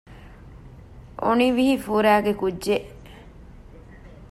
އޮނިވިހި ފުރައިގެ ކުއްޖެއް